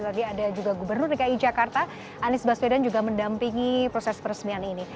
tadi ada juga gubernur dki jakarta anies baswedan juga mendampingi proses peresmian ini